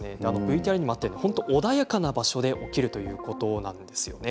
ＶＴＲにあったように本当に穏やかな場所で起きるということなんですね。